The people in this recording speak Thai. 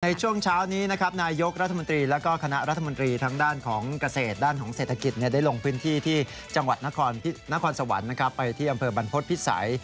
ในช่วงเช้านี้นะครับนายยกรัฐมนตรีแล้วก็คณะรัฐมนตรีทางด้านของเกษตรด้านของเศรษฐกิจได้ลงพื้นที่ที่จังหวัดนครสวรรค์ไปที่อำเภอบรรพฤษภิษัย